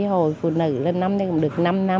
chị hồ phụ nữ lên năm nay cũng được năm năm